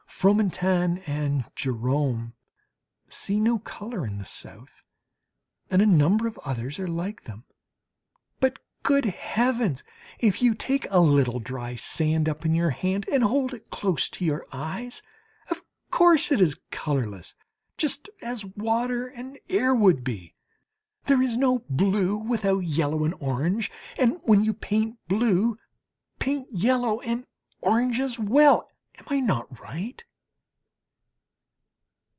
Fromentin and Gérôme see no colour in the South, and a number of others are like them. But good Heavens! if you take a little dry sand up in your hand and hold it close to your eyes, of course it is colourless, just as water and air would be. There is no blue without yellow and orange, and when you paint blue, paint yellow and orange as well am I not right?